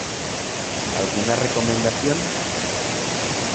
¿Alguna recomendación?